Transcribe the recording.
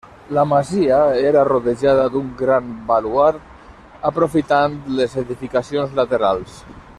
La masia era rodejada d'un gran baluard, aprofitant les edificacions laterals.